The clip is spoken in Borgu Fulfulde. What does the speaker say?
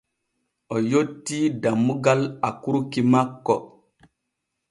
O yottii dammugal akurki makko.